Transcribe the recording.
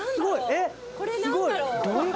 これ何だろう？